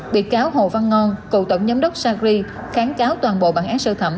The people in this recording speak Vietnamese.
bị cáo hồ văn ngon cựu tổng giám đốc sacri kháng cáo toàn bộ bản án sơ thẩm